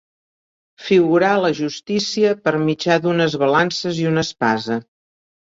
Figurar la justícia per mitjà d'unes balances i una espasa.